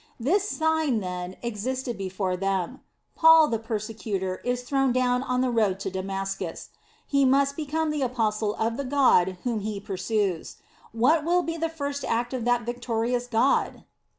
This sign, then, existed before them. Paul the persecutor, is thrown down on the road to Damascus. He must become the apostle of the God whom he pursues. What will be the first act of that victorious God?